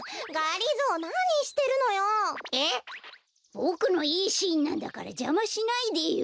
ボクのいいシーンなんだからじゃましないでよ。